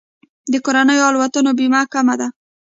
د کورنیو الوتنو بیه کمه ده.